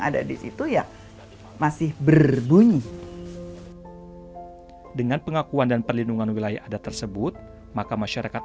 ada di situ ya masih berbunyi dengan pengakuan dan perlindungan wilayah adat tersebut maka masyarakat